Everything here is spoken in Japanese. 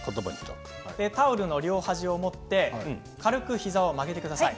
タオルの両端を持って軽く膝を曲げてください。